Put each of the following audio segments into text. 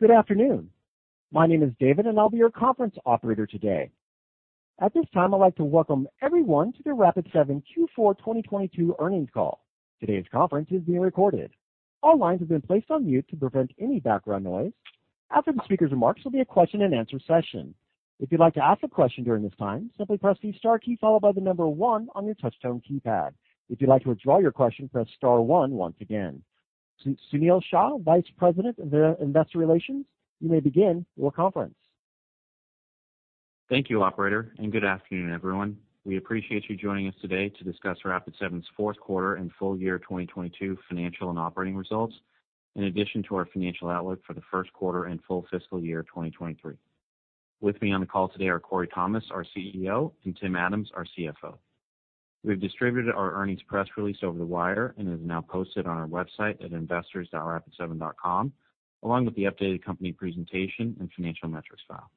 Good afternoon. My name is David, I'll be your conference operator today. At this time, I'd like to Welcome everyone to the Rapid7 Q4 2022 Earnings Call. Today's conference is being recorded. All lines have been placed on mute to prevent any background noise. After the speaker's remarks, there'll be a question-and-answer session. If you'd like to ask a question during this time, simply press the star key followed by the number one on your touch tone keypad. If you'd like to withdraw your question, press star one once again. Sunil Shah, Vice President of the Investor Relations, you may begin your conference. Thank you, operator, and good afternoon, everyone. We appreciate you joining us today to discuss Rapid7's 4th quarter and full year 2022 financial and operating results, in addition to our financial outlook for the 1st quarter and full fiscal year 2023. With me on the call today are Corey Thomas, our CEO, and Tim Adams, our CFO. We've distributed our earnings press release over the wire and is now posted on our website at investors.rapid7.com, along with the updated company presentation and financial metrics file.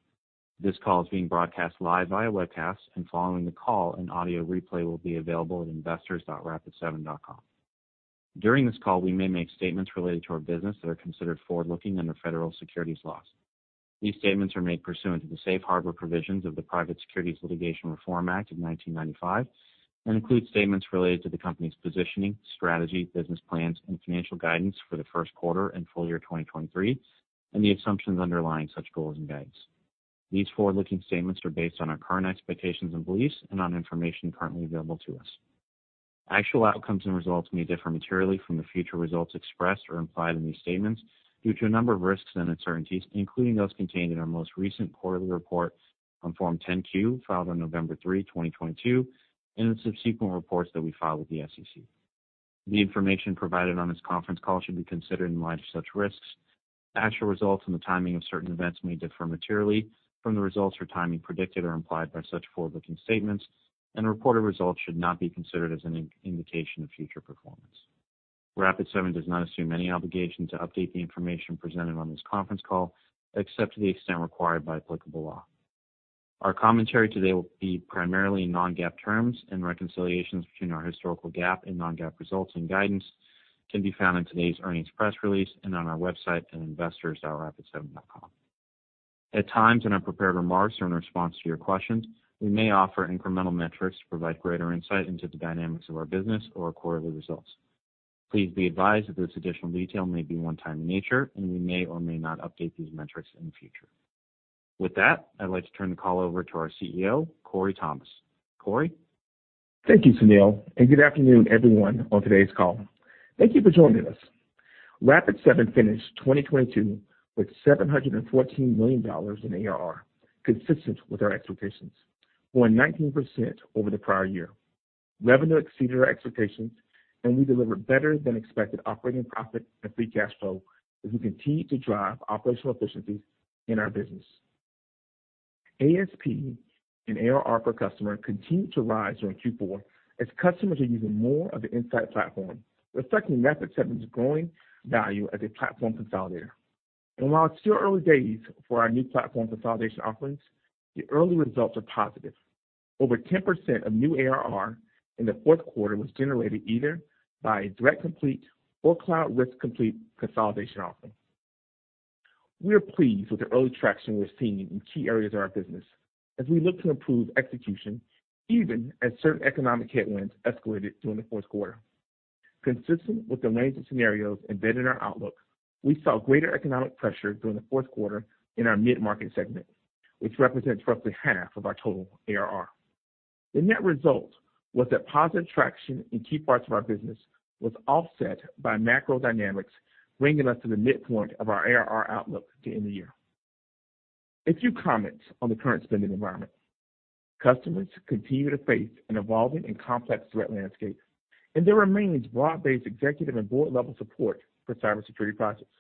This call is being broadcast live via webcast and following the call, an audio replay will be available at investors.rapid7.com. During this call, we may make statements related to our business that are considered forward-looking under federal securities laws. These statements are made pursuant to the Safe Harbor Provisions of the Private Securities Litigation Reform Act of 1995 and include statements related to the company's positioning, strategy, business plans, and financial guidance for the 1st quarter and full year 2023, and the assumptions underlying such goals and guidance. These forward-looking statements are based on our current expectations and beliefs and on information currently available to us. Actual outcomes and results may differ materially from the future results expressed or implied in these statements due to a number of risks and uncertainties, including those contained in our most recent quarterly report on Form 10-Q, filed on November 3, 2022, and the subsequent reports that we file with the SEC. The information provided on this conference call should be considered in light of such risks. Actual results and the timing of certain events may differ materially from the results or timing predicted or implied by such forward-looking statements, and reported results should not be considered as an indication of future performance. Rapid7 does not assume any obligation to update the information presented on this conference call, except to the extent required by applicable law. Our commentary today will be primarily in non-GAAP terms and reconciliations between our historical GAAP and non-GAAP results and guidance can be found in today's earnings press release and on our website at investors.rapid7.com. At times in our prepared remarks or in response to your questions, we may offer incremental metrics to provide greater insight into the dynamics of our business or quarterly results. Please be advised that this additional detail may be one-time in nature, and we may or may not update these metrics in the future. With that, I'd like to turn the call over to our CEO, Corey Thomas. Corey? Thank you, Sunil. Good afternoon, everyone on today's call. Thank you for joining us. Rapid7 finished 2022 with $714 million in ARR, consistent with our expectations, or 19% over the prior year. Revenue exceeded our expectations, and we delivered better than expected operating profit and free cash flow as we continue to drive operational efficiencies in our business. ASP and ARR per customer continued to rise during Q4 as customers are using more of the Insight Platform, reflecting Rapid7's growing value as a platform consolidator. While it's still early days for our new platform consolidation offerings, the early results are positive. Over 10% of new ARR in the 4th quarter was generated either by Threat Complete or Cloud Risk Complete consolidation offering. We are pleased with the early traction we're seeing in key areas of our business as we look to improve execution even as certain economic headwinds escalated during the 4th quarter. Consistent with the range of scenarios embedded in our outlook, we saw greater economic pressure during the 4th quarter in our mid-market segment, which represents roughly half of our total ARR. The net result was that positive traction in key parts of our business was offset by macro dynamics, bringing us to the midpoint of our ARR outlook to end the year. A few comments on the current spending environment. Customers continue to face an evolving and complex threat landscape, and there remains broad-based executive and board-level support for cybersecurity projects.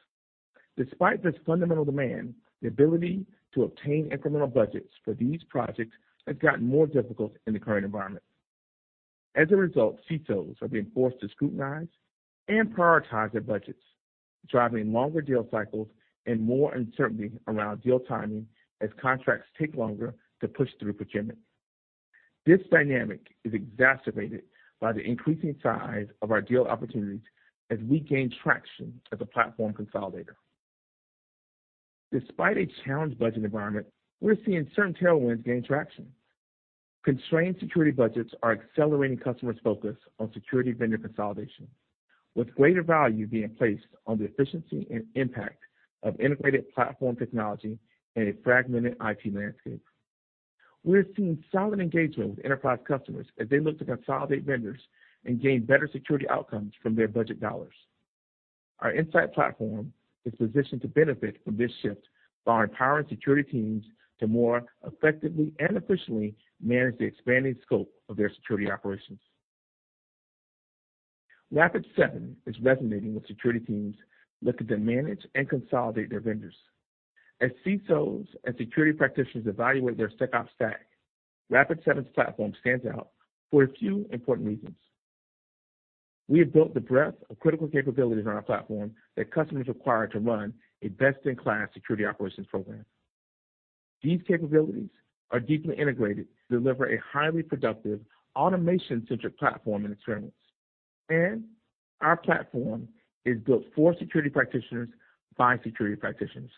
Despite this fundamental demand, the ability to obtain incremental budgets for these projects has gotten more difficult in the current environment. As a result, CSOs are being forced to scrutinize and prioritize their budgets, driving longer deal cycles and more uncertainty around deal timing as contracts take longer to push through procurement. This dynamic is exacerbated by the increasing size of our deal opportunities as we gain traction as a platform consolidator. Despite a challenged budget environment, we're seeing certain tailwinds gain traction. Constrained security budgets are accelerating customers' focus on security vendor consolidation, with greater value being placed on the efficiency and impact of integrated platform technology in a fragmented IT landscape. We're seeing solid engagement with enterprise customers as they look to consolidate vendors and gain better security outcomes from their budget dollars. Our Insight Platform is positioned to benefit from this shift by empowering security teams to more effectively and efficiently manage the expanding scope of their security operations. Rapid7 is resonating with security teams looking to manage and consolidate their vendors. As CSOs and security practitioners evaluate their SecOps stack, Rapid7's platform stands out for a few important reasons. We have built the breadth of critical capabilities on our platform that customers require to run a best-in-class security operations program. These capabilities are deeply integrated to deliver a highly productive automation-centric platform and experience. Our platform is built for security practitioners by security practitioners,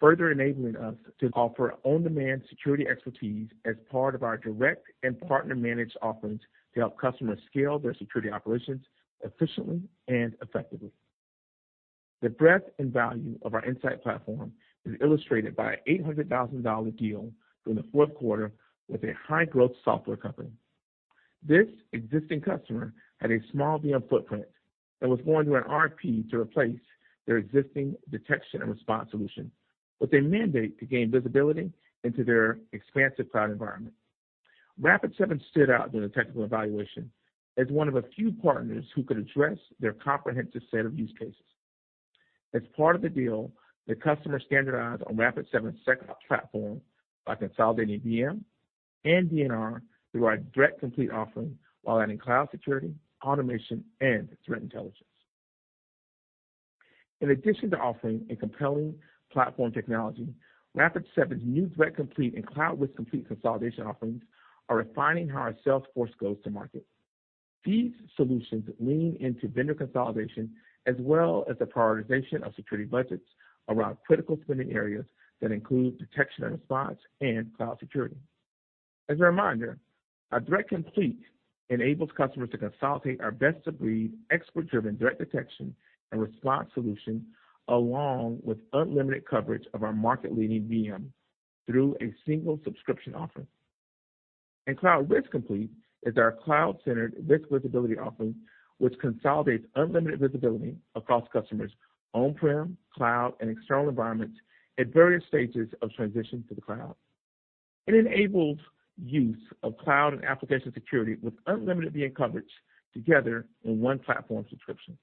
further enabling us to offer on-demand security expertise as part of our direct and partner managed offerings to help customers scale their security operations efficiently and effectively. The breadth and value of our Insight Platform is illustrated by $800,000 deal during the 4th quarter with a high-growth software company. This existing customer had a small VM footprint and was going through an RFP to replace their existing detection and response solution with a mandate to gain visibility into their expansive cloud environment. Rapid7 stood out during the technical evaluation as one of a few partners who could address their comprehensive set of use cases. As part of the deal, the customer standardized on Rapid7's SecOps platform by consolidating VM and VNR through our Threat Complete offering, while adding cloud security, automation, and threat intelligence. In addition to offering a compelling platform technology, Rapid7's new Threat Complete and Cloud Risk Complete consolidation offerings are refining how our sales force goes to market. These solutions lean into vendor consolidation as well as the prioritization of security budgets around critical spending areas that include detection and response and cloud security. As a reminder, our Threat Complete enables customers to consolidate our best-of-breed, expert-driven threat detection and response solution along with unlimited coverage of our market-leading VM through a single subscription offering. Cloud Risk Complete is our cloud-centered risk visibility offering, which consolidates unlimited visibility across customers' on-prem, cloud, and external environments at various stages of transition to the cloud. It enables use of cloud and application security with unlimited VM coverage together in one platform subscription.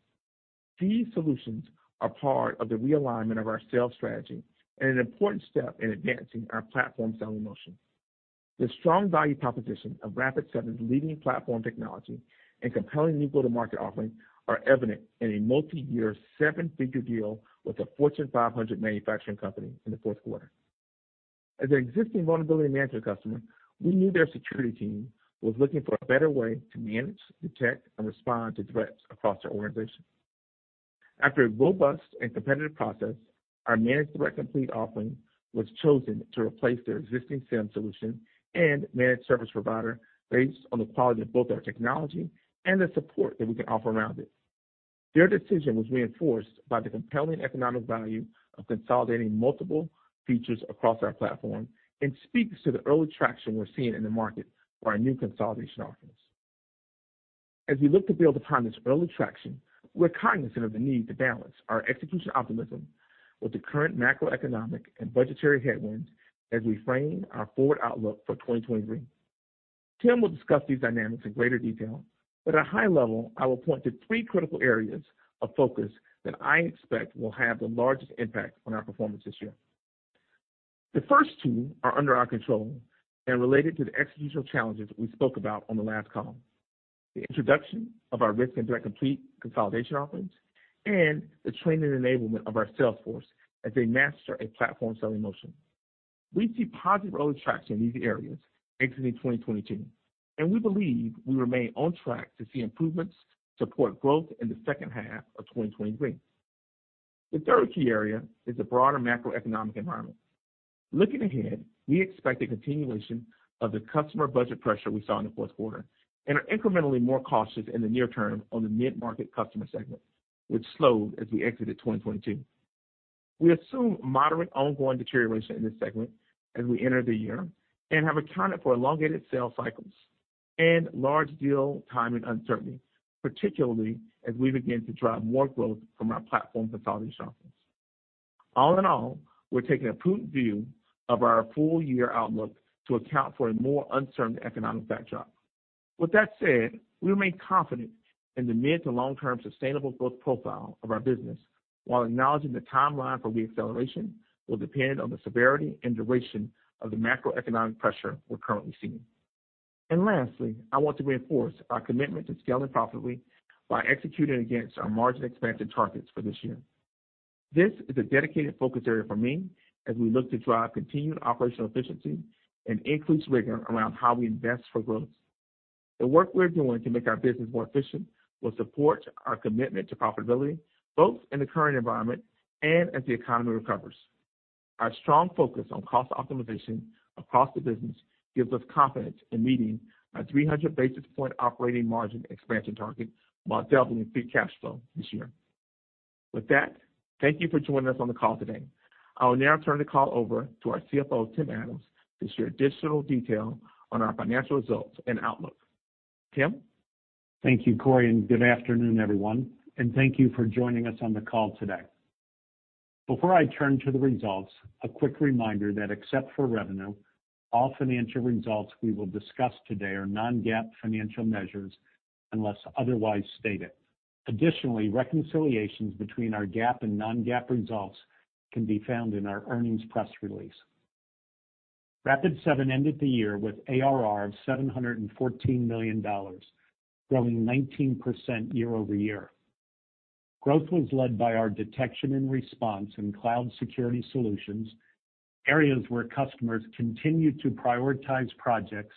These solutions are part of the realignment of our sales strategy and an important step in advancing our platform selling motion. The strong value proposition of Rapid7's leading platform technology and compelling new go-to-market offerings are evident in a multiyear seven figure deal with a Fortune 500 manufacturing company in the 4th quarter. As an existing vulnerability management customer, we knew their security team was looking for a better way to manage, detect, and respond to threats across their organization. After a robust and competitive process, our Managed Threat Complete offering was chosen to replace their existing SIEM solution and managed service provider based on the quality of both our technology and the support that we can offer around it. Their decision was reinforced by the compelling economic value of consolidating multiple features across our platform and speaks to the early traction we're seeing in the market for our new consolidation offerings. As we look to build upon this early traction, we're cognizant of the need to balance our execution optimism with the current macroeconomic and budgetary headwinds as we frame our forward outlook for 2023. Tim will discuss these dynamics in greater detail. At a high level, I will point to three critical areas of focus that I expect will have the largest impact on our performance this year. The 1st two are under our control and related to the executional challenges we spoke about on the last call. The introduction of our Risk and Threat Complete consolidation offerings, the training and enablement of our sales force as they master a platform selling motion. We see positive early traction in these areas exiting 2022. We believe we remain on track to see improvements support growth in the 2nd half of 2023. The 3rd key area is the broader macroeconomic environment. Looking ahead, we expect a continuation of the customer budget pressure we saw in the 4th quarter and are incrementally more cautious in the near term on the mid-market customer segment, which slowed as we exited 2022. We assume moderate ongoing deterioration in this segment as we enter the year and have accounted for elongated sales cycles and large deal timing uncertainty, particularly as we begin to drive more growth from our platform consolidation offerings. All in all, we're taking a prudent view of our full-year outlook to account for a more uncertain economic backdrop. With that said, we remain confident in the mid to long-term sustainable growth profile of our business, while acknowledging the timeline for re-acceleration will depend on the severity and duration of the macroeconomic pressure we're currently seeing. Lastly, I want to reinforce our commitment to scaling profitably by executing against our margin expansion targets for this year. This is a dedicated focus area for me as we look to drive continued operational efficiency and increased rigor around how we invest for growth. The work we're doing to make our business more efficient will support our commitment to profitability both in the current environment and as the economy recovers. Our strong focus on cost optimization across the business gives us confidence in meeting our 300 basis point operating margin expansion target while doubling free cash flow this year. With that, thank you for joining us on the call today. I will now turn the call over to our CFO, Tim Adams, to share additional detail on our financial results and outlook. Tim? Thank you, Corey. Good afternoon, everyone, and thank you for joining us on the call today. Before I turn to the results, a quick reminder that except for revenue, all financial results we will discuss today are non-GAAP financial measures unless otherwise stated. Additionally, reconciliations between our GAAP and non-GAAP results can be found in our earnings press release. Rapid7 ended the year with ARR of $714 million, growing 19% year-over-year. Growth was led by our detection and response and cloud security solutions, areas where customers continue to prioritize projects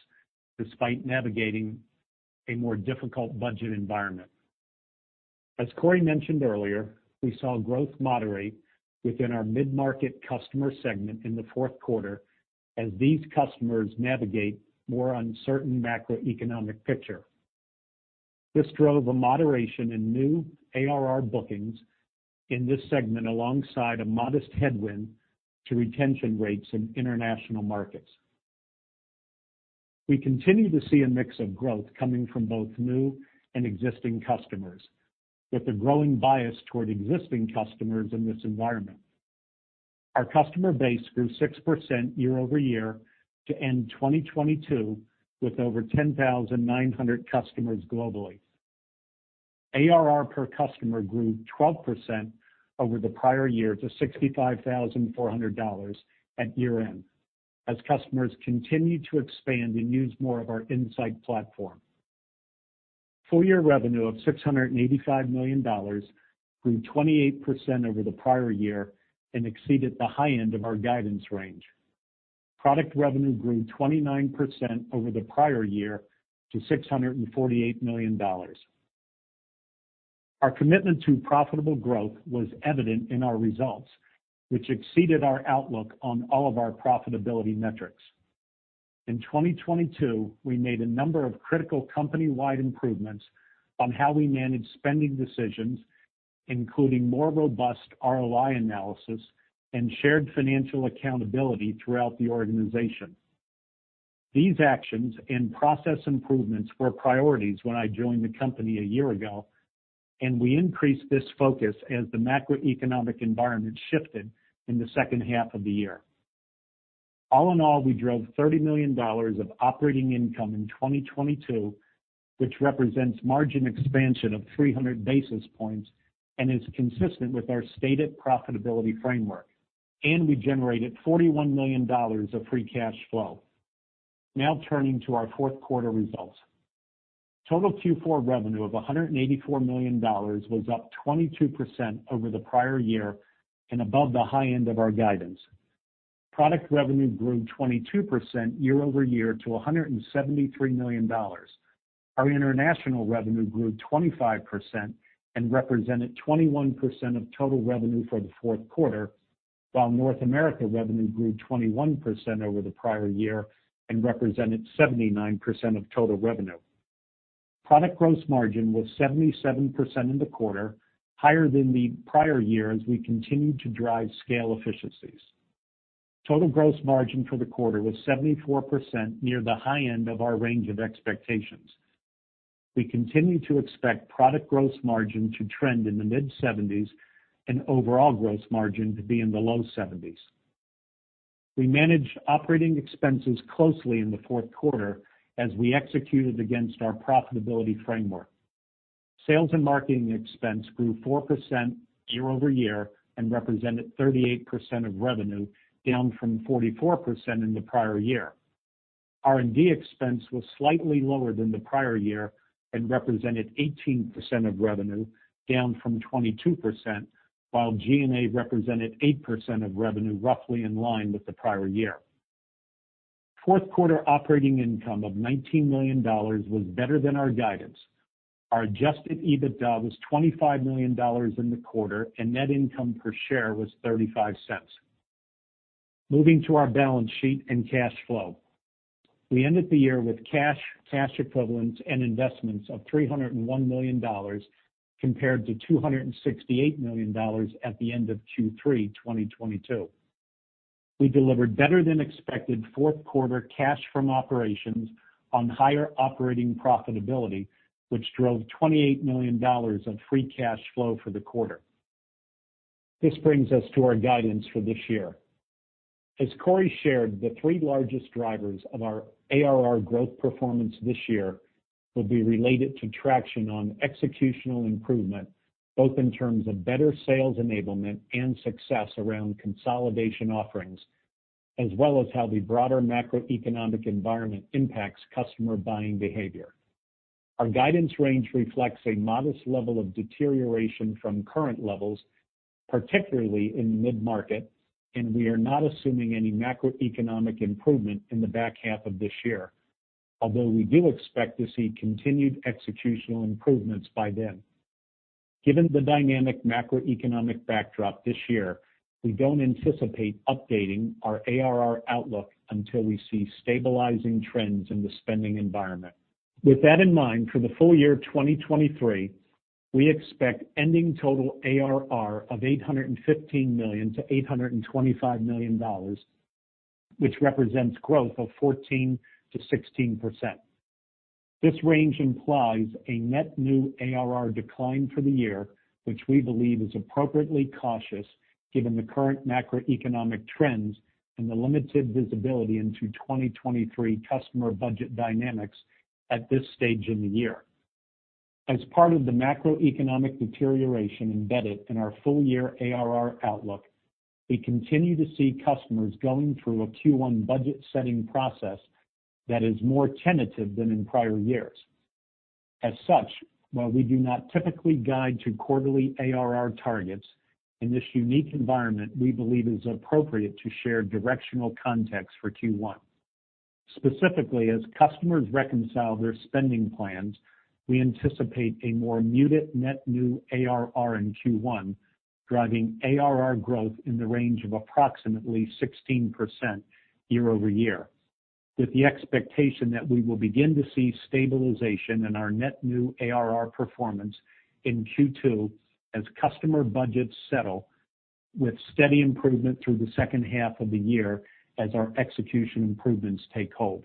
despite navigating a more difficult budget environment. As Corey mentioned earlier, we saw growth moderate within our mid-market customer segment in the 4th quarter as these customers navigate more uncertain macroeconomic picture. This drove a moderation in new ARR bookings in this segment, alongside a modest headwind to retention rates in international markets. We continue to see a mix of growth coming from both new and existing customers, with a growing bias toward existing customers in this environment. Our customer base grew 6% year-over-year to end 2022 with over 10,900 customers globally. ARR per customer grew 12% over the prior year to $65,400 at year-end as customers continued to expand and use more of our Insight Platform. Full year revenue of $685 million grew 28% over the prior year and exceeded the high end of our guidance range. Product revenue grew 29% over the prior year to $648 million. Our commitment to profitable growth was evident in our results, which exceeded our outlook on all of our profitability metrics. In 2022, we made a number of critical company-wide improvements on how we manage spending decisions, including more robust ROI analysis and shared financial accountability throughout the organization. These actions and process improvements were priorities when I joined the company a year ago, and we increased this focus as the macroeconomic environment shifted in the 2nd half of the year. All in all, we drove $30 million of operating income in 2022, which represents margin expansion of 300 basis points and is consistent with our stated profitability framework. We generated $41 million of free cash flow. Turning to our Q4 results. Total Q4 revenue of $184 million was up 22% over the prior year and above the high end of our guidance. Product revenue grew 22% year-over-year to $173 million. Our international revenue grew 25% and represented 21% of total revenue for the 4th quarter, while North America revenue grew 21% over the prior year and represented 79% of total revenue. Product gross margin was 77% in the quarter, higher than the prior year as we continued to drive scale efficiencies. Total gross margin for the quarter was 74% near the high end of our range of expectations. We continue to expect product gross margin to trend in the mid-70s and overall gross margin to be in the low 70s. We managed operating expenses closely in the 4th quarter as we executed against our profitability framework. Sales and marketing expense grew 4% year-over-year and represented 38% of revenue, down from 44% in the prior year. R&D expense was slightly lower than the prior year and represented 18% of revenue, down from 22%, while G&A represented 8% of revenue, roughly in line with the prior year. Fourth quarter operating income of $19 million was better than our guidance. Our adjusted EBITDA was $25 million in the quarter, and net income per share was $0.35. Moving to our balance sheet and cash flow. We ended the year with cash equivalents and investments of $301 million compared to $268 million at the end of Q3 2022. We delivered better than expected 4th quarter cash from operations on higher operating profitability, which drove $28 million of free cash flow for the quarter. This brings us to our guidance for this year. As Corey shared, the three largest drivers of our ARR growth performance this year will be related to traction on executional improvement, both in terms of better sales enablement and success around consolidation offerings, as well as how the broader macroeconomic environment impacts customer buying behavior. Our guidance range reflects a modest level of deterioration from current levels, particularly in mid-market. We are not assuming any macroeconomic improvement in the back half of this year, although we do expect to see continued executional improvements by then. Given the dynamic macroeconomic backdrop this year, we don't anticipate updating our ARR outlook until we see stabilizing trends in the spending environment. With that in mind, for the full year of 2023, we expect ending total ARR of $815 million-$825 million, which represents growth of 14%-16%. This range implies a net new ARR decline for the year, which we believe is appropriately cautious given the current macroeconomic trends and the limited visibility into 2023 customer budget dynamics at this stage in the year. As part of the macroeconomic deterioration embedded in our full year ARR outlook. We continue to see customers going through a Q1 budget setting process that is more tentative than in prior years. While we do not typically guide to quarterly ARR targets, in this unique environment, we believe it is appropriate to share directional context for Q1. Specifically, as customers reconcile their spending plans, we anticipate a more muted net new ARR in Q1, driving ARR growth in the range of approximately 16% year-over-year, with the expectation that we will begin to see stabilization in our net new ARR performance in Q2 as customer budgets settle with steady improvement through the 2nd half of the year as our execution improvements take hold.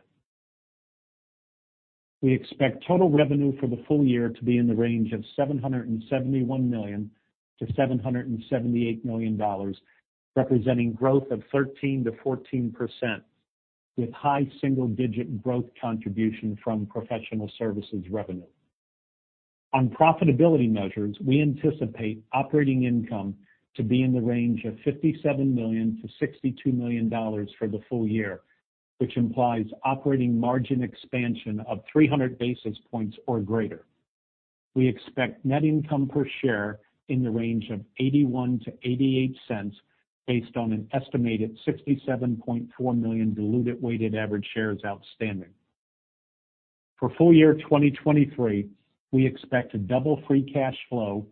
We expect total revenue for the full year to be in the range of $771 million-$778 million, representing growth of 13%-14% with high single-digit growth contribution from professional services revenue. On profitability measures, we anticipate operating income to be in the range of $57 million-$62 million for the full year, which implies operating margin expansion of 300 basis points or greater. We expect net income per share in the range of $0.81-$0.88 based on an estimated 67.4 million diluted weighted average shares outstanding. For full year 2023, we expect to double free cash flow,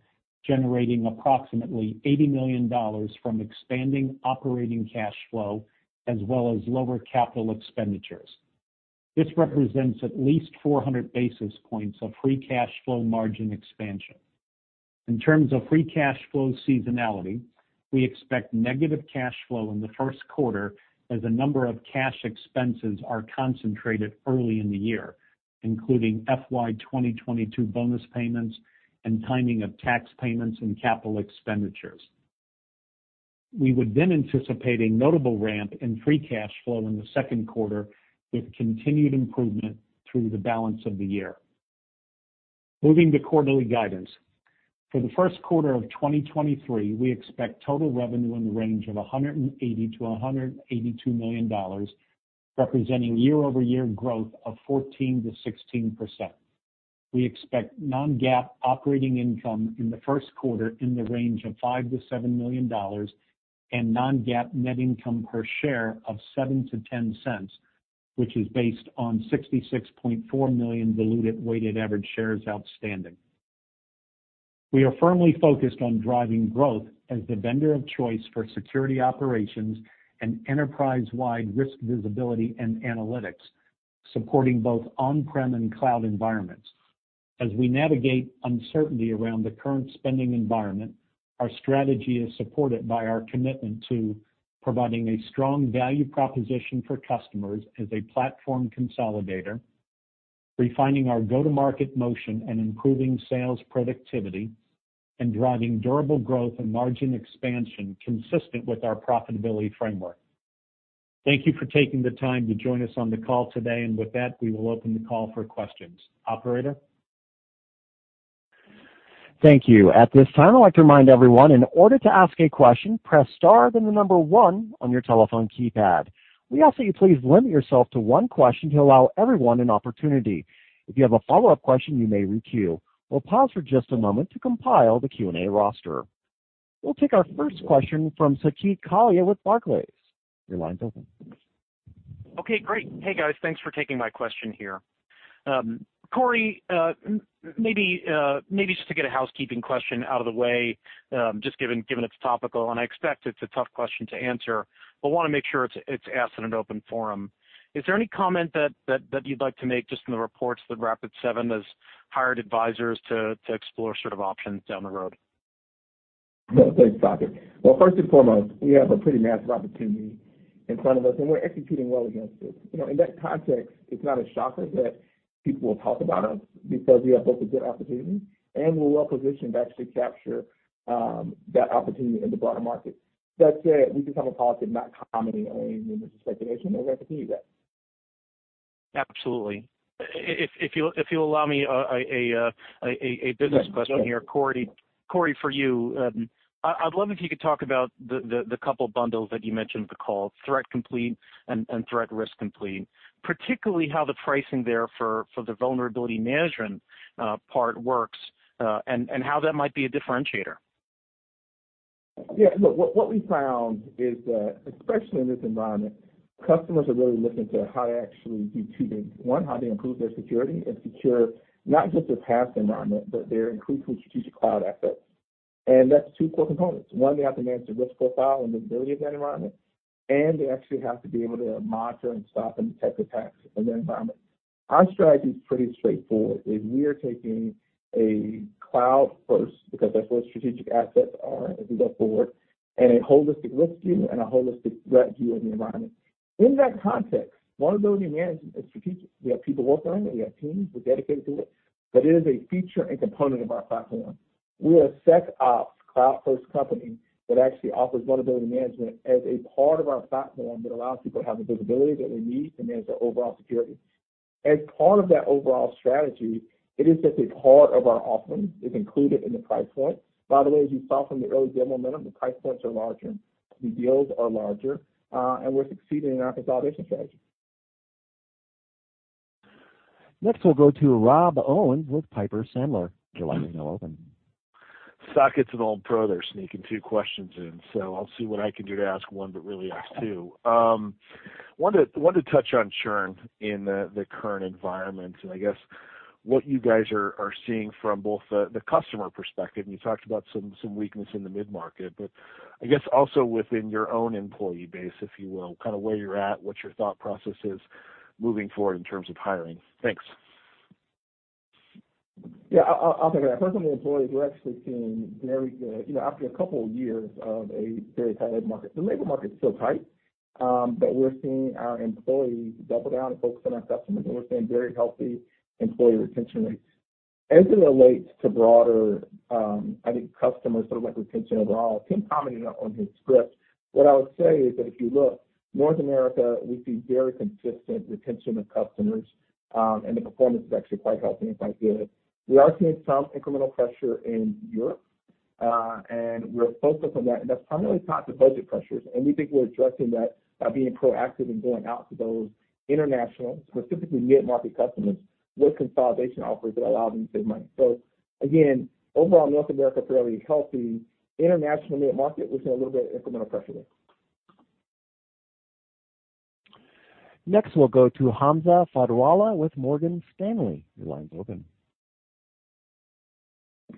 generating approximately $80 million from expanding operating cash flow as well as lower capital expenditures. This represents at least 400 basis points of free cash flow margin expansion. In terms of free cash flow seasonality, we expect negative cash flow in the 1st quarter as a number of cash expenses are concentrated early in the year, including FY 2022 bonus payments and timing of tax payments and capital expenditures. We would anticipate a notable ramp in free cash flow in the 2nd quarter with continued improvement through the balance of the year. Moving to quarterly guidance. For the 1st quarter of 2023, we expect total revenue in the range of $180 million-$182 million, representing year-over-year growth of 14%-16%. We expect non-GAAP operating income in the 1st quarter in the range of $5 million-$7 million and non-GAAP net income per share of $0.07-$0.10, which is based on 66.4 million diluted weighted average shares outstanding. We are firmly focused on driving growth as the vendor of choice for security operations and enterprise-wide risk visibility and analytics, supporting both on-prem and cloud environments. As we navigate uncertainty around the current spending environment, our strategy is supported by our commitment to providing a strong value proposition for customers as a platform consolidator, refining our go-to-market motion and improving sales productivity, and driving durable growth and margin expansion consistent with our profitability framework. Thank you for taking the time to join us on the call today. With that, we will open the call for questions. Operator? Thank you. At this time, I'd like to remind everyone in order to ask a question, press star then the number one on your telephone keypad. We ask that you please limit yourself to one question to allow everyone an opportunity. If you have a follow-up question, you may requeue. We'll pause for just a moment to compile the Q&A roster. We'll take our 1st question from Saket Kalia with Barclays. Your line's open. Okay, great. Hey, guys. Thanks for taking my question here. Corey, maybe just to get a housekeeping question out of the way, just given it's topical, and I expect it's a tough question to answer, but wanna make sure it's asked in an open forum. Is there any comment that you'd like to make just in the reports that Rapid7 has hired advisors to explore sort of options down the road? No, thanks, Saket. Well, 1st and foremost, we have a pretty massive opportunity in front of us, and we're executing well against it. You know, in that context, it's not a shocker that people will talk about us because we have both a good opportunity and we're well-positioned to actually capture that opportunity in the broader market. That said, we just have a policy of not commenting on any rumors or speculation, and we're gonna continue that. Absolutely. If you'll allow me a business question here, Corey. Corey, for you, I'd love if you could talk about the couple bundles that you mentioned on the call, Threat Complete and Threat Risk Complete. Particularly, how the pricing there for the vulnerability management part works, and how that might be a differentiator. Yeah, look, what we found is that, especially in this environment, customers are really looking to how to actually do two things. One, how to improve their security and secure not just their past environment, but their increasingly strategic cloud assets. That's two core components. One, they have to manage the risk profile and visibility of that environment, and they actually have to be able to monitor and stop and detect attacks in that environment. Our strategy is pretty straightforward, is we are taking a cloud 1st, because that's where strategic assets are as we go forward, and a holistic risk view and a holistic threat view in the environment. In that context, vulnerability management is strategic. We have people working on it. We have teams who are dedicated to it. It is a feature and component of our platform. We are a SecOps cloud-1st company that actually offers vulnerability management as a part of our platform that allows people to have the visibility that they need to manage their overall security. As part of that overall strategy, it is just a part of our offering is included in the price point. By the way, as you saw from the early demo momentum, the price points are larger, the deals are larger, and we're succeeding in our consolidation strategy. Next, we'll go to Rob Owens with Piper Sandler. Your line is now open. Stock is an old pro. They're sneaking two questions in, I'll see what I can do to ask one, but really ask two. Wanted to touch on churn in the current environment and I guess what you guys are seeing from both the customer perspective, and you talked about some weakness in the mid-market, but I guess also within your own employee base, if you will, kind of where you're at, what your thought process is moving forward in terms of hiring. Thanks. Yeah, I'll take that. First on the employees, we're actually seeing very good. You know, after a couple of years of a very tight labor market, the labor market's still tight, but we're seeing our employees double down and focus on our customers, and we're seeing very healthy employee retention rates. As it relates to broader, I think customer sort of like retention overall, Tim Adams commented on his script. What I would say is that if you look North America, we see very consistent retention of customers, and the performance is actually quite healthy and quite good. We are seeing some incremental pressure in Europe, and we're focused on that. That's primarily tied to budget pressures, and we think we're addressing that by being proactive and going out to those international, specifically mid-market customers with consolidation offers that allow them to save money. Again, overall North America is fairly healthy. International mid-market, we're seeing a little bit of incremental pressure there. Next, we'll go to Hamza Fodderwala with Morgan Stanley. Your line's open.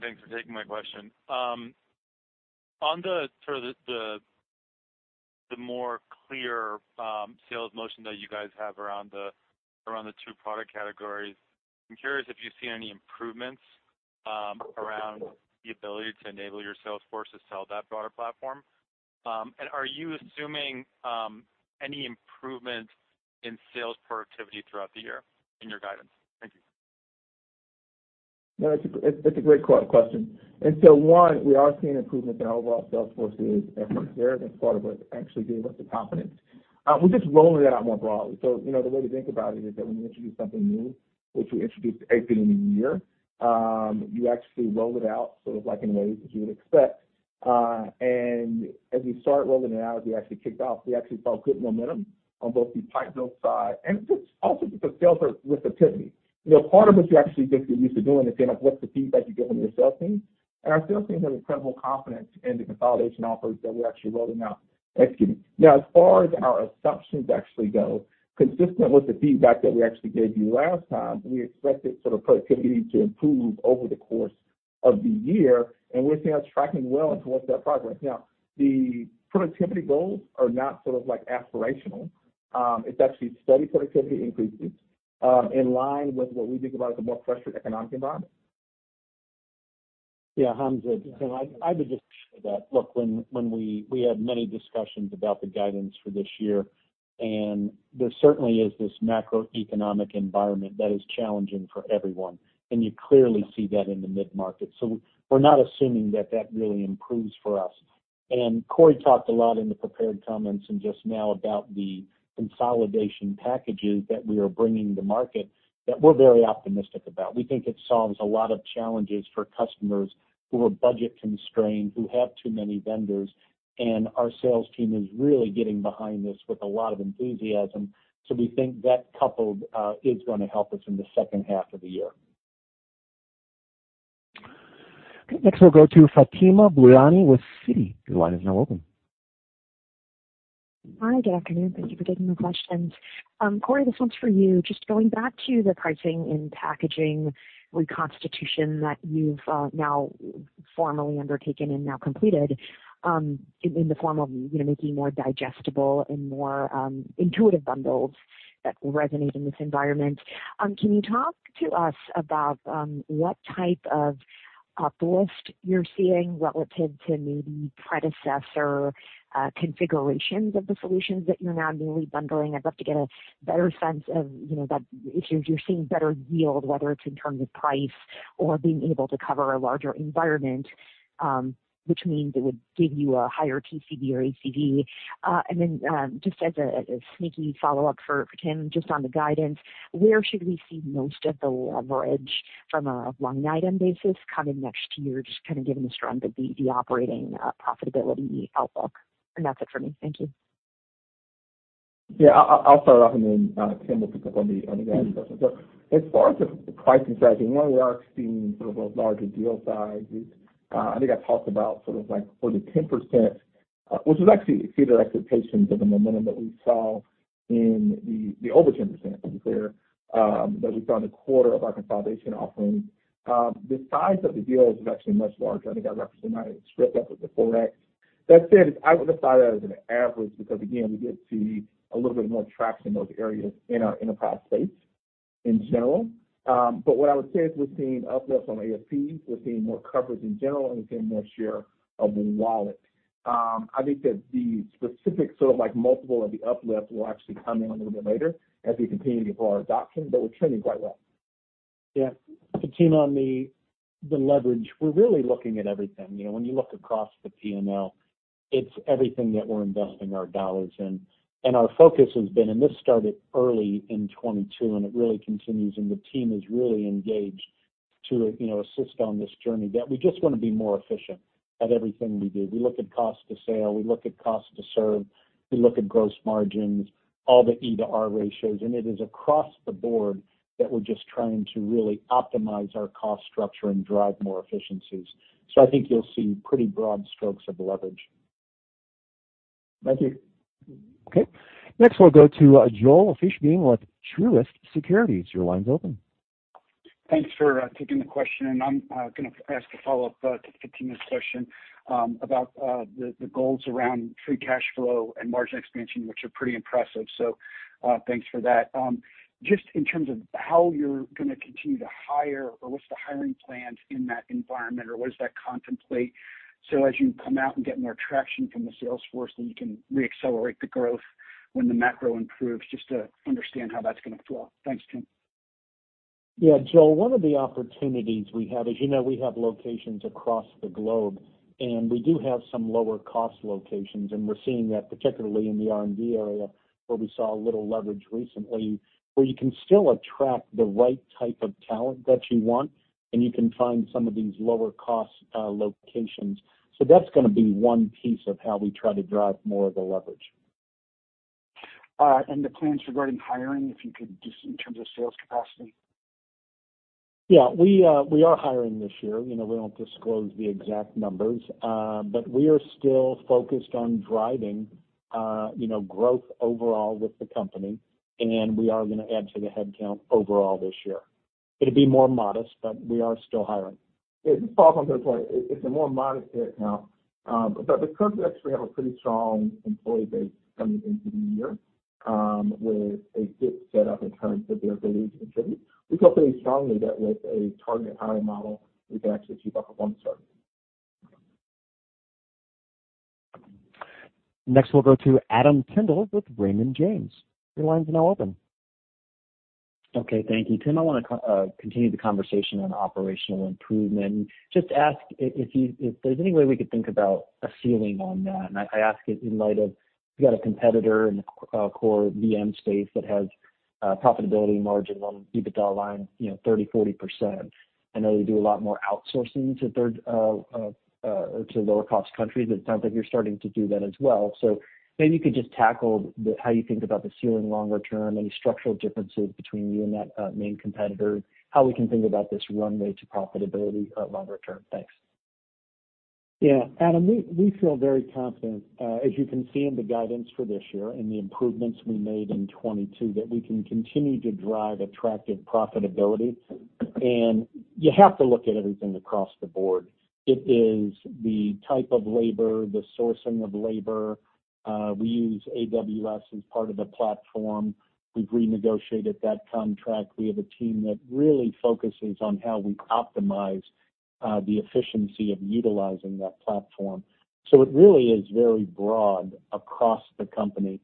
Thanks for taking my question. On the sort of the more clear sales motion that you guys have around the two product categories, I'm curious if you've seen any improvements around the ability to enable your sales force to sell that broader platform. Are you assuming any improvement in sales productivity throughout the year in your guidance? Thank you. No, it's a great question. One, we are seeing improvements in our overall sales force's efforts there. That's part of what actually gave us the confidence. We're just rolling it out more broadly. You know, the way to think about it is that when you introduce something new, which we introduced at the beginning of the year, you actually roll it out sort of like in waves, as you would expect. As we start rolling it out, as we actually kicked off, we actually saw good momentum on both the pipe build side and also just the sales rep receptivity. You know, part of it you actually think you're used to doing is kind of what's the feedback you're getting from your sales team. Our sales team have incredible confidence in the consolidation offers that we're actually rolling out. Excuse me. As far as our assumptions actually go, consistent with the feedback that we actually gave you last time, we expected sort of productivity to improve over the course of the year, and we're seeing us tracking well towards that progress. The productivity goals are not sort of like aspirational. It's actually steady productivity increases, in line with what we think about as a more pressured economic environment. Yeah, Hamza, I would just share that. Look, when we had many discussions about the guidance for this year, and there certainly is this macroeconomic environment that is challenging for everyone, and you clearly see that in the mid-market. We're not assuming that that really improves for us. Corey talked a lot in the prepared comments and just now about the consolidation packages that we are bringing to market that we're very optimistic about. We think it solves a lot of challenges for customers who are budget constrained, who have too many vendors, and our sales team is really getting behind this with a lot of enthusiasm. We think that coupled is gonna help us in the 2nd half of the year. Okay. Next, we'll go to Fatima Boolani with Citi. Your line is now open. Hi, good afternoon. Thank you for taking the questions. Corey, this one's for you. Just going back to the pricing and packaging reconstitution that you've now formally undertaken and now completed, in the form of, you know, making more digestible and more intuitive bundles that will resonate in this environment. Can you talk to us about what type of uplift you're seeing relative to maybe predecessor configurations of the solutions that you're now newly bundling? I'd love to get a better sense of, you know, that if you're seeing better yield, whether it's in terms of price or being able to cover a larger environment, which means it would give you a higher TCV or ACV. Just as a sneaky follow-up for Tim, just on the guidance, where should we see most of the leverage from a line item basis coming next year? Just kind of giving us your on the operating, profitability outlook. That's it for me. Thank you. Yeah. I'll start off, and then Tim will pick up on the guidance question. As far as the pricing strategy, you know, we are seeing sort of those larger deal sizes. I think I talked about sort of like for the 10%, which was actually exceeded our expectations of the momentum that we saw in the over 10% to be clear, that we saw in the quarter of our consolidation offerings. The size of the deals is actually much larger. I think I represented my script that was the 4x. That said, I wouldn't apply that as an average because again, we did see a little bit more traction in those areas in our Enterprise space in general. What I would say is we're seeing uplifts on ASPs, we're seeing more coverage in general, and we're seeing more share of the wallet. I think that the specific sort of like multiple of the uplift will actually come in a little bit later as we continue to grow our adoption, but we're trending quite well. Yeah, the team on the leverage, we're really looking at everything. You know, when you look across the PNL, it's everything that we're investing our dollars in. Our focus has been, and this started early in 2022, and it really continues, and the team is really engaged to, you know, assist on this journey, that we just wanna be more efficient at everything we do. We look at cost to sale, we look at cost to serve, we look at gross margins, all the E to R ratios. It is across the board that we're just trying to really optimize our cost structure and drive more efficiencies. I think you'll see pretty broad strokes of leverage. Thank you. Okay. Next, we'll go to Joel Fishbein with Truist Securities. Your line's open. Thanks for taking the question, and I'm going to ask a follow-up to continue this question about the goals around free cash flow and margin expansion, which are pretty impressive. Thanks for that. Just in terms of how you're going to continue to hire or what is the hiring plans in that environment or what does that contemplate so as you come out and get more traction from the sales force, then you can reaccelerate the growth when the macro improves, just to understand how that's going to flow. Thanks, Tim. Yeah. Joel, one of the opportunities we have, as you know, we have locations across the globe, and we do have some lower cost locations, and we're seeing that particularly in the R&D area where we saw a little leverage recently, where you can still attract the right type of talent that you want, and you can find some of these lower cost locations. That's gonna be one piece of how we try to drive more of the leverage. The plans regarding hiring, if you could just in terms of sales capacity. Yeah. We are hiring this year. You know, we don't disclose the exact numbers, but we are still focused on driving, you know, growth overall with the company, and we are gonna add to the head count overall this year. It'll be more modest, but we are still hiring. Just to follow up on his point. It's a more modest headcount, but because we actually have a pretty strong employee base coming into the year, with a good set up in terms of their ability to contribute, we feel pretty strongly that with a target hiring model, we can actually achieve our performance targets. Next, we'll go to Adam Tindle with Raymond James. Your line's now open. Okay. Thank you. Tim, I wanna continue the conversation on operational improvement and just ask if there's any way we could think about a ceiling on that. I ask it in light of, you got a competitor in the core VM space that has profitability margin on EBITDA line, you know, 30%, 40%. I know they do a lot more outsourcing to 3rd to lower cost countries, but it sounds like you're starting to do that as well. Maybe you could just tackle the, how you think about the ceiling longer term, any structural differences between you and that main competitor, how we can think about this runway to profitability longer term. Thanks. Yeah. Adam, we feel very confident, as you can see in the guidance for this year and the improvements we made in 2022, that we can continue to drive attractive profitability. You have to look at everything across the board. It is the type of labor, the sourcing of labor. We use AWS as part of the platform. We've renegotiated that contract. We have a team that really focuses on how we optimize the efficiency of utilizing that platform. It really is very broad across the company.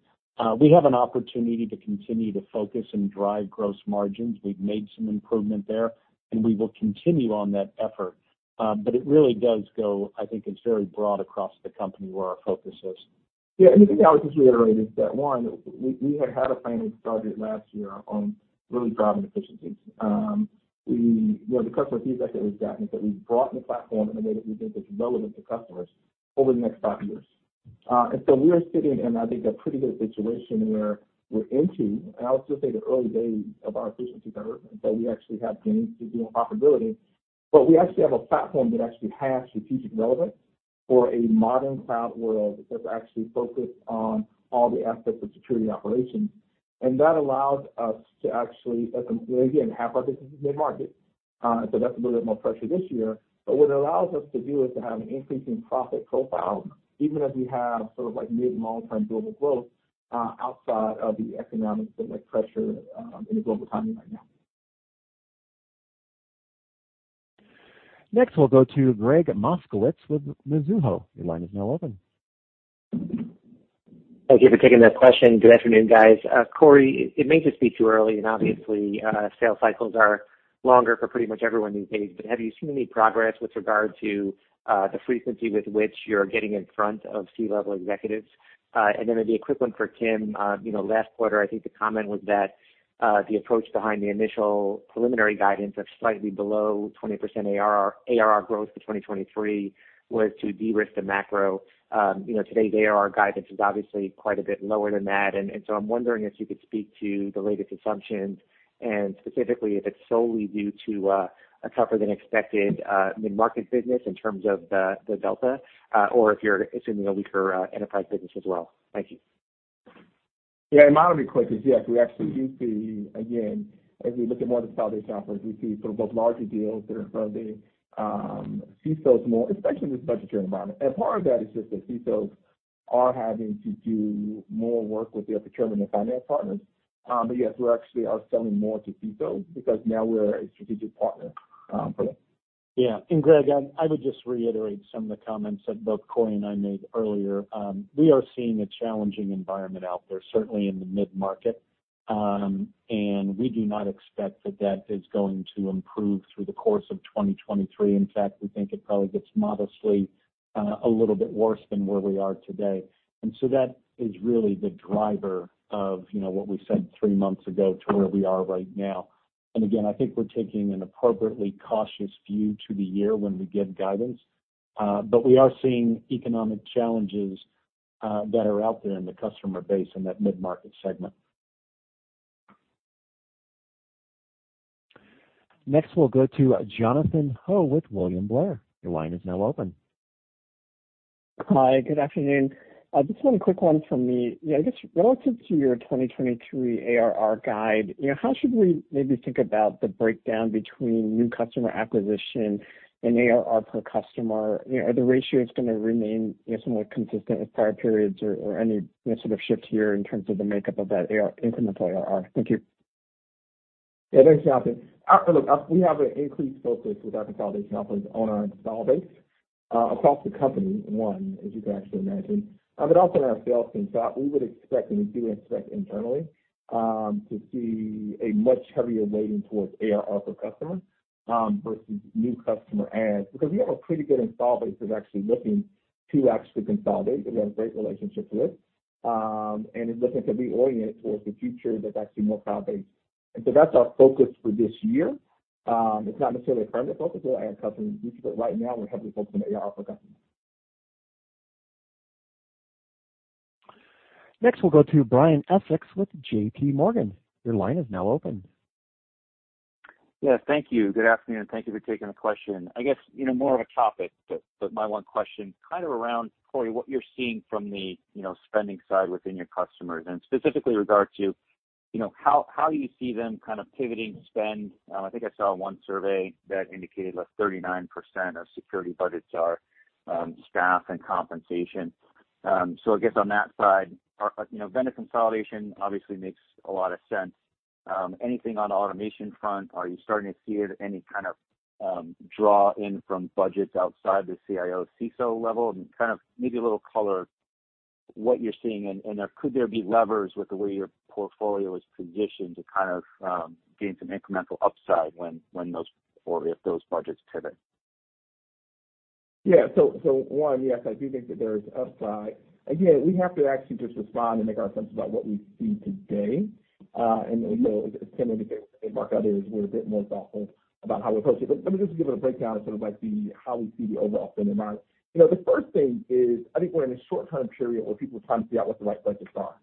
We have an opportunity to continue to focus and drive gross margins. We've made some improvement there, and we will continue on that effort. It really does go, I think it's very broad across the company where our focus is. Yeah. I think I would just reiterate is that, one, we had a planning target last year on really driving efficiencies. you know, the customer feedback that we've gotten is that we've broadened the platform in a way that we think is relevant to customers over the next five years. We are sitting in, I think, a pretty good situation where we're into, and I'll just say the early days of our efficiency development, but we actually have gains to profitability. We actually have a platform that actually has strategic relevance for a modern cloud world that's actually focused on all the aspects of Security Operations. That allows us to actually, again, have our businesses mid-market. That's a little bit more pressure this year. What it allows us to do is to have an increasing profit profile, even as we have sort of like mid and long term global growth, outside of the economic sort of pressure, in the global economy right now. Next, we'll go to Gregg Moskowitz with Mizuho. Your line is now open. Thank you for taking the question. Good afternoon, guys. Corey, it may just be too early and obviously, sales cycles are longer for pretty much everyone these days, but have you seen any progress with regard to the frequency with which you're getting in front of C-level executives? Then the quick one for Tim, you know, last quarter, I think the comment was that the approach behind the initial preliminary guidance of slightly below 20% ARR growth for 2023 was to de-risk the macro. You know, today the ARR guidance is obviously quite a bit lower than that. I'm wondering if you could speak to the latest assumptions and specifically if it's solely due to a tougher than expected mid-market business in terms of the delta, or if you're assuming a weaker enterprise business as well. Thank you. Yeah. Mine will be quick, is yes, we actually do see, again, as we look at more of the cloud-based offerings, we see sort of both larger deals that are from the CISOs more, especially in this budgetary environment. Part of that is just that CISOs are having to do more work with their procurement and finance partners. Yes, we actually are selling more to CISOs because now we're a strategic partner for them. Yeah. Gregg, I would just reiterate some of the comments that both Corey and I made earlier. We are seeing a challenging environment out there, certainly in the mid-market, we do not expect that that is going to improve through the course of 2023. In fact, we think it probably gets modestly a little bit worse than where we are today. That is really the driver of, you know, what we said three months ago to where we are right now. Again, I think we're taking an appropriately cautious view to the year when we give guidance, but we are seeing economic challenges that are out there in the customer base in that mid-market segment. Next, we'll go to Jonathan Ho with William Blair. Your line is now open. Hi, good afternoon. Just one quick one from me. You know, I guess relative to your 2023 ARR guide, you know, how should we maybe think about the breakdown between new customer acquisition and ARR per customer? You know, are the ratios gonna remain, you know, somewhat consistent with prior periods or any, you know, sort of shift here in terms of the makeup of that incremental ARR? Thank you. Yeah. Thanks, Jonathan. look, we have an increased focus with our consolidation offerings on our install base, across the company, one, as you can actually imagine, but also in our sales team. We would expect, and we do expect internally, to see a much heavier weighting towards ARR per customer, versus new customer adds. We have a pretty good install base that's actually looking to actually consolidate and have great relationships with, and is looking to reorient towards the future that's actually more cloud-based. That's our focus for this year. It's not necessarily a permanent focus. We'll add customers, but right now we're heavily focused on ARR per customer. Next, we'll go to Brian Essex with J.P. Morgan. Your line is now open. Yeah, thank you. Good afternoon. Thank you for taking the question. I guess, you know, more of a topic, but my one question kind of around, Corey, what you're seeing from the, you know, spending side within your customers and specifically regard to, you know, how you see them kind of pivoting spend. I think I saw one survey that indicated like 39% of security budgets are staff and compensation. I guess on that side, are, you know, vendor consolidation obviously makes a lot of sense. Anything on the automation front? Are you starting to see any kind of, draw in from budgets outside the CIO/CISO level kind of maybe a little color of what you're seeing and could there be levers with the way your portfolio is positioned to kind of gain some incremental upside when those or if those budgets pivot? Yeah. One, yes, I do think that there's upside. Again, we have to actually just respond and make our assumptions about what we see today. You know, similar to Mark, I think we're a bit more thoughtful about how we approach it. Let me just give a breakdown of sort of like how we see the overall spend environment. You know, the 1st thing is, I think we're in a short time period where people are trying to figure out what the right budgets are.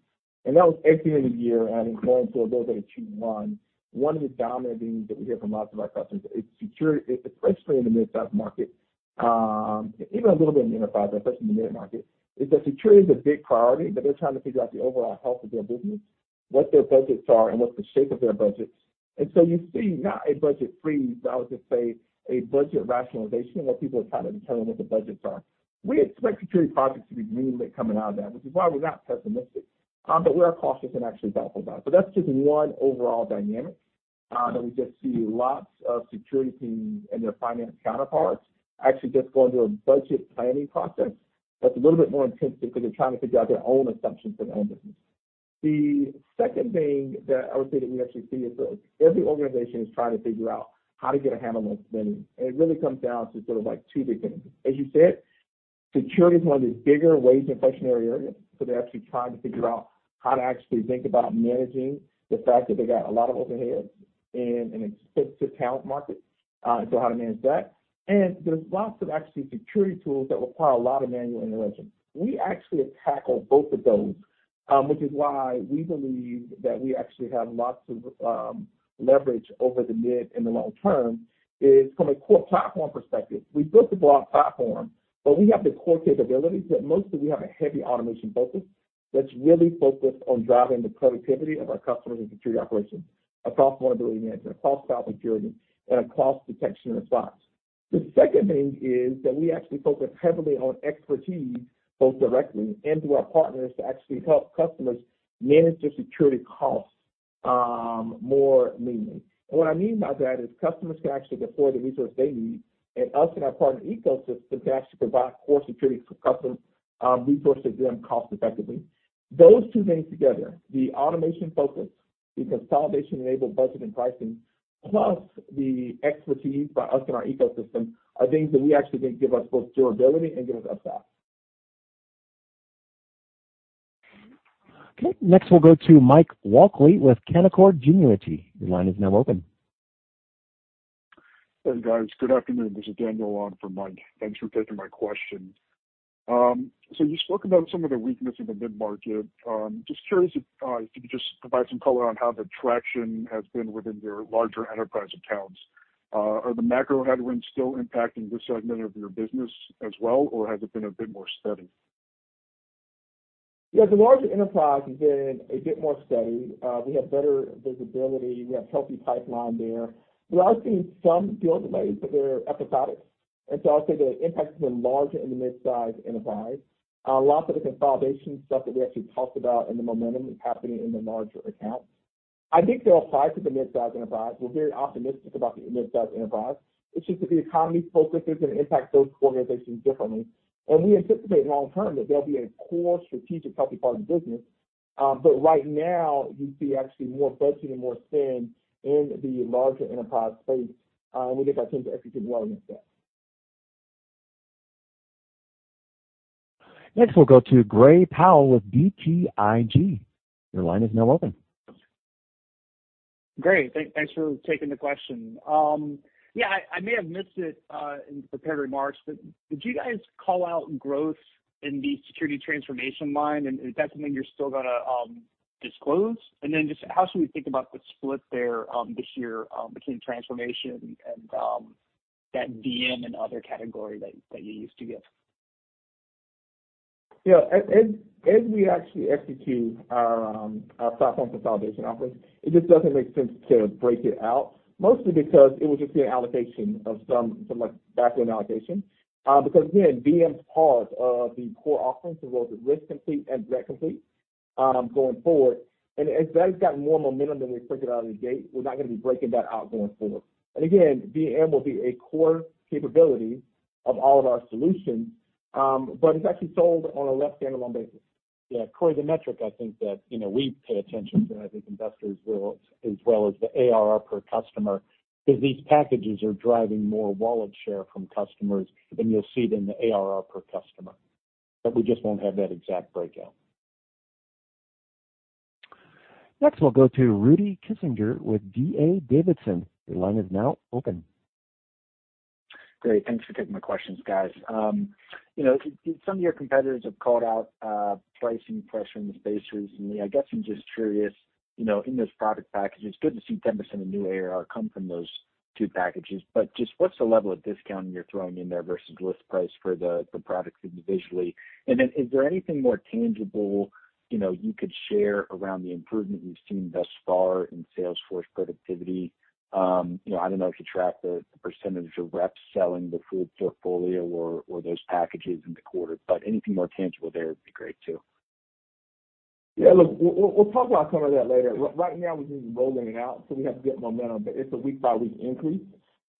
That was every year, and I think going forward, those are the two, one. One of the dominant themes that we hear from lots of our customers is security, especially in the mid-size market, even a little bit in the enterprise, but especially in the mid-market, is that security is a big priority, but they're trying to figure out the overall health of their business, what their budgets are, and what's the shape of their budgets. You see not a budget freeze, but I would just say a budget rationalization where people are trying to determine what the budgets are. We expect security projects to be greenlit coming out of that, which is why we're not pessimistic. We are cautious and actually thoughtful about it. That's just one overall dynamic that we just see lots of security teams and their finance counterparts actually just going through a budget planning process that's a little bit more intense because they're trying to figure out their own assumptions for their own business. The 2nd thing that I would say that we actually see is that every organization is trying to figure out how to get a handle on spending. It really comes down to sort of like two big things. As you said, security is one of the bigger wage inflationary areas, so they're actually trying to figure out how to actually think about managing the fact that they got a lot of overhead in an expensive talent market, and so how to manage that. There's lots of actually security tools that require a lot of manual intervention. We actually tackle both of those, which is why we believe that we actually have lots of leverage over the mid and the long term is from a core platform perspective. We built a broad platform, but we have the core capabilities that mostly we have a heavy automation focus that's really focused on driving the productivity of our customers and security operations across vulnerability management, across cloud security, and across detection and response. The 2nd thing is that we actually focus heavily on expertise, both directly and through our partners, to actually help customers manage their security costs more meaningfully. What I mean by that is customers can actually afford the resources they need, and us and our partner ecosystem can actually provide core security for customers, resources to them cost effectively. Those two things together, the automation focus, the consolidation-enabled budgeting pricing, plus the expertise by us and our ecosystem are things that we actually think give us both durability and give us upside. Okay. Next, we'll go to Mike Walkley with Canaccord Genuity. Your line is now open. Hey, guys. Good afternoon. This is Daniel on for Mike. Thanks for taking my question. You spoke about some of the weakness in the mid-market. Just curious if you could just provide some color on how the traction has been within your larger enterprise accounts. Are the macro headwinds still impacting this segment of your business as well, or has it been a bit more steady? Yeah. The larger enterprise has been a bit more steady. We have better visibility. We have healthy pipeline there. We are seeing some deal delays, but they're episodic. I'll say the impact has been larger in the mid-size enterprise. Lots of the consolidation stuff that we actually talked about and the momentum is happening in the larger accounts. I think they'll apply to the mid-size enterprise. We're very optimistic about the mid-size enterprise. It's just that the economy's focus is going to impact those organizations differently. We anticipate long term that there'll be a core strategic 3rd-party business. Right now you see actually more budgeting and more spend in the larger enterprise space. We think our teams are executing well against that. Next, we'll go to Gray Powell with BTIG. Your line is now open. Great. Thanks for taking the question. Yeah, I may have missed it in the prepared remarks, but did you guys call out growth in the security transformation line? Is that something you're still gonna disclose? Just how should we think about the split there this year between transformation and that VM and other category that you used to give? Yeah. As we actually execute our platform consolidation offers, it just doesn't make sense to break it out, mostly because it was just an allocation of some like back-end allocation. Because again, VM is part of the core offerings as well as Risk Complete and Threat Complete going forward. As that has gotten more momentum than we expected out of the gate, we're not gonna be breaking that out going forward. Again, VM will be a core capability of all of our solutions. But it's actually sold on a less standalone basis. Yeah, Corey, the metric I think that, you know, we pay attention to, and I think investors will as well, is the ARR per customer, because these packages are driving more wallet share from customers than you'll see in the ARR per customer. We just won't have that exact breakout. Next, we'll go to Rudy Kessinger with D.A. Davidson. Your line is now open. Great. Thanks for taking my questions, guys. You know, some of your competitors have called out pricing pressure in the space recently. I guess I'm just curious, you know, in those product packages, good to see 10% of new ARR come from those two packages. Just what's the level of discount you're throwing in there versus list price for the products individually? Is there anything more tangible, you know, you could share around the improvement you've seen thus far in sales force productivity? You know, I don't know if you track the percentage of reps selling the full portfolio or those packages in the quarter, but anything more tangible there would be great too. Yeah, look, we'll talk about some of that later. Right now we're just rolling it out, so we have to get momentum. It's a week by week increase.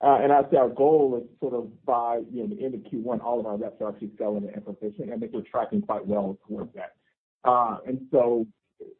I'd say our goal is sort of by, you know, the end of Q1, all of our reps are actually selling the infrastructure, and I think we're tracking quite well towards that.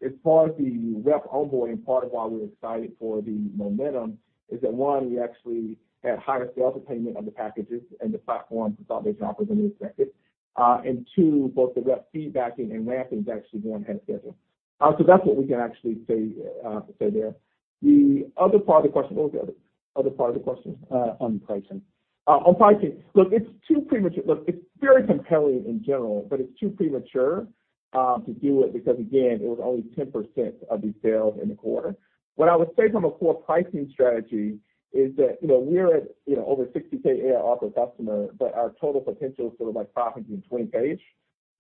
As far as the rep onboarding, part of why we're excited for the momentum is that, one, we actually had higher sales attainment on the packages and the platform consolidation offers than we expected and two, both the rep feedback and ramp is actually ahead of schedule. That's what we can actually say there. The other part of the question, what was the other part of the question on pricing? On pricing. Look, it's too premature. Look, it's very compelling in general, but it's too premature to do it because again, it was only 10% of the sales in the quarter. What I would say from a core pricing strategy is that, you know, we're at, you know, over $60, 000 ARR per customer, but our total potential is sort of like probably between eight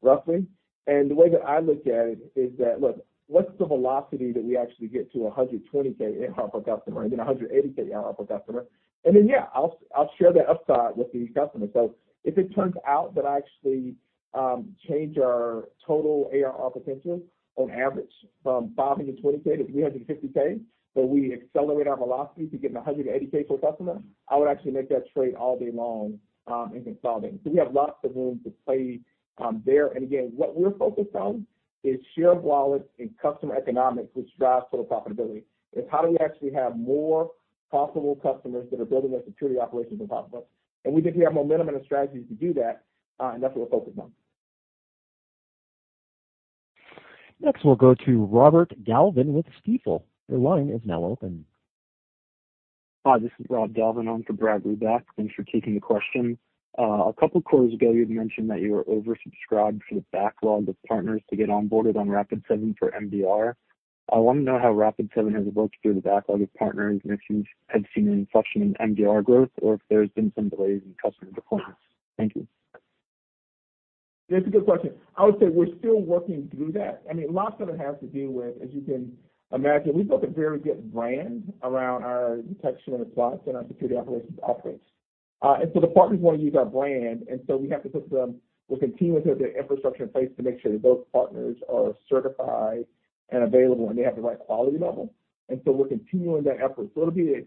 roughly. The way that I look at it is that, look, what's the velocity that we actually get to $120, 000 ARR per customer and then $180, 000 ARR per customer. Yeah, I'll share the upside with the customer. If it turns out that I actually change our total ARR potential on average from $520, 000-$350, 000, but we accelerate our velocity to getting to $180, 000 per customer, I would actually make that trade all day long in consolidation. We have lots of room to play there. Again, what we're focused on is share of wallet and customer economics, which drives total profitability. It's how do we actually have more possible customers that are building their security operations on top of us. We think we have momentum and strategies to do that, and that's what we're focused on. Next, we'll go to Robert Galvin with Stifel. Your line is now open. Hi, this is Rob Galvin on for Brad Reback. Thanks for taking the question. A couple of quarters ago, you had mentioned that you were oversubscribed for the backlog of partners to get onboarded on Rapid7 for MDR. I want to know how Rapid7 has worked through the backlog of partners, if you had seen an inflection in MDR growth or if there's been some delays in customer deployments. Thank you. That's a good question. I would say we're still working through that. I mean, lots of it has to do with, as you can imagine, we've built a very good brand around our detection and response and our Security Operations offerings. The partners want to use our brand, and so we're continuing to have the infrastructure in place to make sure that those partners are certified and available, and they have the right quality level. We're continuing that effort. It'll be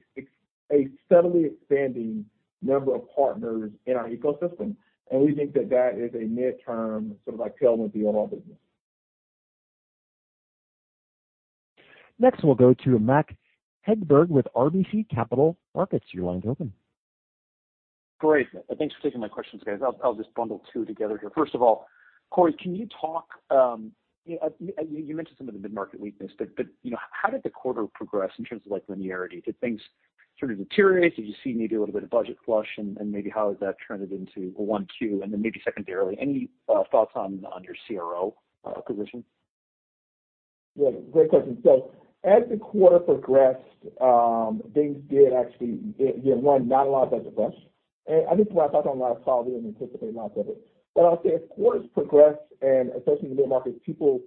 a steadily expanding number of partners in our ecosystem. We think that that is a midterm, sort of like tailwind to the overall business. Next, we'll go to Matt Hedberg with RBC Capital Markets. Your line's open. Great. Thanks for taking my questions, guys. I'll just bundle two together here. First of all, Corey, can you talk, you mentioned some of the mid-market weakness, but, you know, how did the quarter progress in terms of like linearity? Did things sort of deteriorate? Did you see maybe a little bit of budget flush and maybe how has that trended into 1Q? Maybe 2ndarily, any thoughts on your CRO position? Great question. As the quarter progressed, things did actually, one, not a lot of budget flush. I think when I talk on our call we didn't anticipate lots of it. I'll say as quarters progress, and especially in the mid-market, people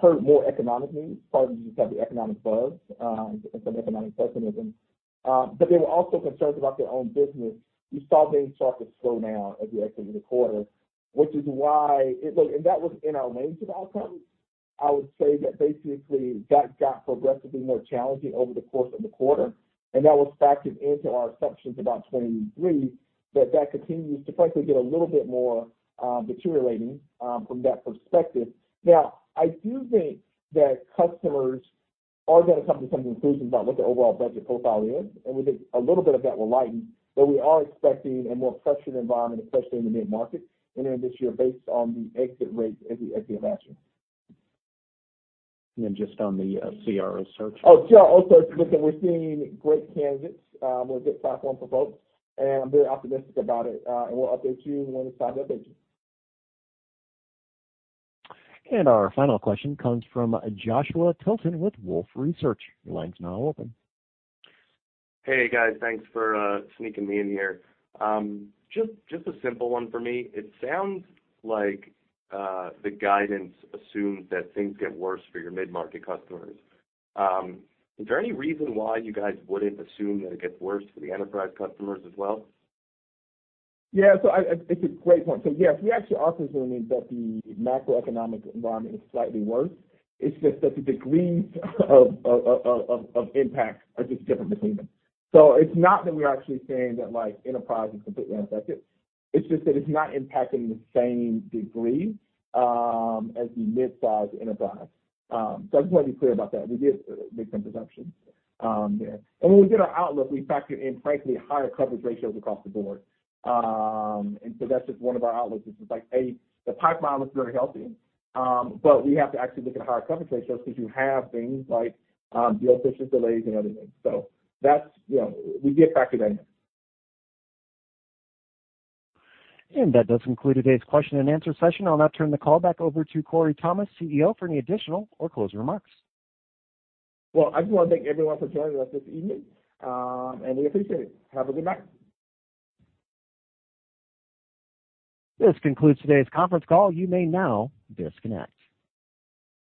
heard more economic news. Part of it you just have the economic buzz, and some economic pessimism. They were also concerned about their own business. We saw things start to slow down as we exit the quarter, which is why. Look, that was in our maintenance outcomes. I would say that basically that got progressively more challenging over the course of the quarter, that was factored into our assumptions about 2023, that that continues to frankly get a little bit more deteriorating from that perspective. Now, I do think that customers are gonna come to some conclusions about what their overall budget profile is, and we think a little bit of that will lighten, but we are expecting a more pressured environment, especially in the mid-market entering this year based on the exit rates as we have asked you. Then just on the CRO search. CRO, also, look, and we're seeing great candidates, with a good platform for folks, and I'm very optimistic about it. We'll update you when it's time to update you. Our final question comes from Joshua Tilton with Wolfe Research. Your line's now open. Hey, guys. Thanks for sneaking me in here. Just a simple one for me. It sounds like the guidance assumes that things get worse for your mid-market customers. Is there any reason why you guys wouldn't assume that it gets worse for the enterprise customers as well? It's a great point. Yes, we actually are assuming that the macroeconomic environment is slightly worse. It's just that the degrees of impact are just different between them. It's not that we're actually saying that like enterprise is completely unaffected. It's just that it's not impacting the same degree as the mid-size enterprise. I just wanna be clear about that. We did make some assumptions there. When we did our outlook, we factored in, frankly, higher coverage ratios across the board. That's just one of our outlooks. It's just like, A, the pipeline looks very healthy, we have to actually look at higher coverage ratios because you have things like deal pushes, delays and other things. That's, you know, we did factor that in. That does conclude today's question and answer session. I'll now turn the call back over to Corey Thomas, CEO, for any additional or closing remarks. Well, I just wanna thank everyone for joining us this evening, and we appreciate it. Have a good night. This concludes today's conference call. You may now disconnect.